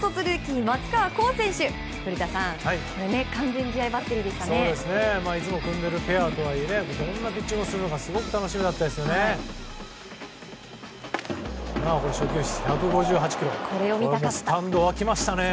いつも組んでいるペアとはいえどんなピッチングをするのかすごく楽しみでしたね。